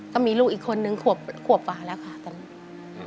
ก็มีลูกอีกคนนึงขวบกว่าแล้วค่ะตอนนี้